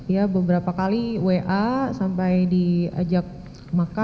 ya beberapa kali wa sampai diajak makan